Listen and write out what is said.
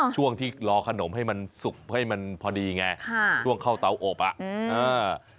ช่วงที่รอขนมให้มันสุกให้มันพอดีไงค่ะช่วงเข้าเตาอบอ่ะเออ